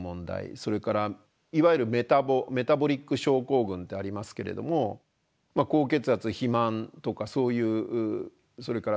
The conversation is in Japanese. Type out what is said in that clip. それからいわゆるメタボリック症候群ってありますけれども高血圧肥満とかそういうそれから糖代謝異常